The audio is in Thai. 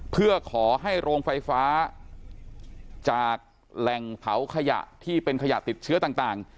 เพื่อขอให้โรงไฟฟ้าจากแหล่งเผาขยะที่เป็นขยะติดเชื้อต่าง